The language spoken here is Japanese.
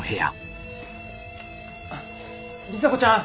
里紗子ちゃん！